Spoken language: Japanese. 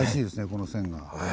この線が。え？